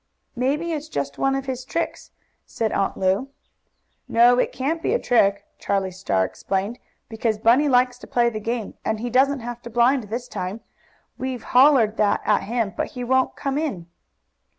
"Maybe it's just one of his tricks," said Aunt Lu. "No, it can't be a trick," Charlie Star explained, "because Bunny likes to play the game, and he doesn't have to blind this time. We've hollered that at him, but he won't come in."